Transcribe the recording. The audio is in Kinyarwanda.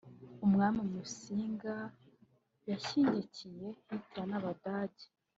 umwami Musinga yashyigikiye Hitler n’abadage